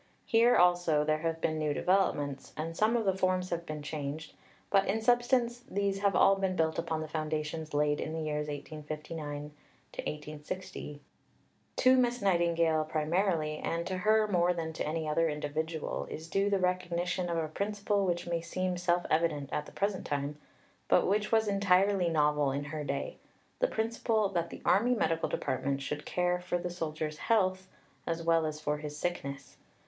Here also there have been new developments, and some of the forms have been changed; but in substance, these have all been built upon the foundations laid in the years 1859 60. To Miss Nightingale primarily, and to her more than to any other individual, is due the recognition of a principle which may seem self evident at the present time, but which was entirely novel in her day the principle that the Army Medical Department should care for the soldier's health as well as for his sickness.